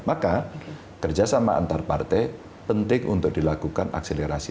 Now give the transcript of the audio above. maka kerjasama antar partai penting untuk dilakukan akselerasi